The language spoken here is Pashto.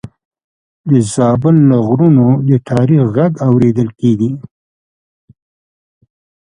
د زابل له غرونو د تاریخ غږ اورېدل کېږي.